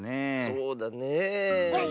そうだねえ。